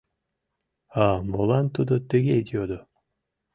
А молан тудо тыге йодо?